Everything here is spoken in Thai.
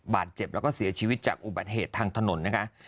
บาดเจ็บแล้วก็เสียชีวิตจากอุบัติเหตุทางถนนนะคะ